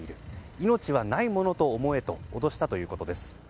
命はないものと思えと脅したということです。